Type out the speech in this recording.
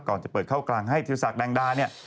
ก่อนจะเปิดเข้ากลางให้ธีรศักดิแดงดาเนี่ย